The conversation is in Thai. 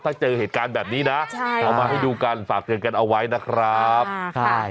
ถ้าเจอเหตุการณ์แบบนี้นะเอามาให้ดูกันฝากเตือนกันเอาไว้นะครับใช่